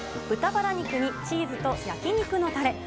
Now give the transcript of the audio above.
豚バラ肉にチーズと焼き肉のたれ。